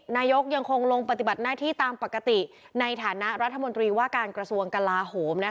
นายกยังคงลงปฏิบัติหน้าที่ตามปกติในฐานะรัฐมนตรีว่าการกระทรวงกลาโหม